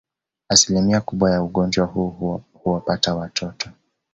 Asilimia kubwa ya ugonjwa huu huwapata watoto